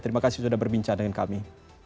terima kasih sudah berbincang dengan kami